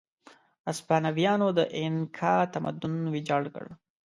هسپانویانو د اینکا تمدن ویجاړ کړ.